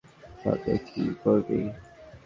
সামনে কী করবি?